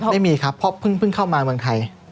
ไม่มีครับเพราะเพิ่งเข้ามาเมืองไทย